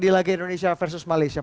di laga indonesia versus malaysia